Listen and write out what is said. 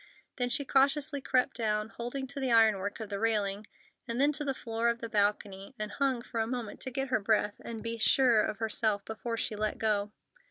Then she cautiously crept down, holding to the ironwork of the railing, and then to the floor of the balcony, and hung for a moment to get her breath and be sure of herself before she let go.